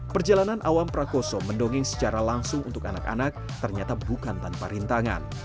perjalanan awam prakoso mendongeng secara langsung untuk anak anak ternyata bukan tanpa rintangan